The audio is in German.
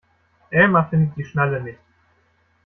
Elmar findet die Schnalle nicht.